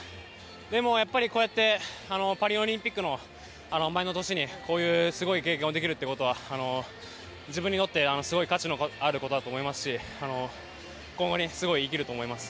でも、やっぱりパリオリンピックの前の年にこういうすごい経験ができるということは自分にとって、すごい価値のあることだと思いますし今後にすごい生きると思います。